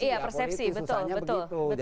iya persepsi betul betul